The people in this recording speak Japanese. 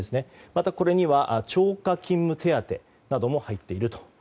またこれには超過勤務手当なども入っていると。